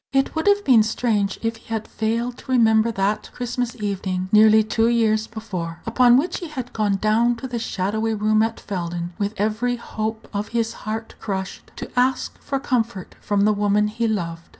It would have been strange if he had failed to remember that Christmas evening nearly two years before, upon which he had gone down to the shadowy room at Felden, with every hope of his heart crushed, to ask for comfort from the woman he loved.